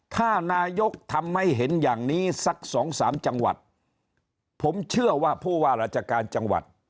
ถ้านายกทำให้เห็นอย่างนี้สักสองสามจังหวัดผมเชื่อว่าผู้ว่าราชการจังหวัด